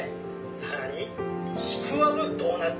「さらにちくわぶドーナツ」